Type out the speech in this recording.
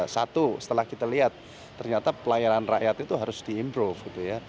satu setelah kita lihat ternyata pelayaran rakyat itu harus diimprove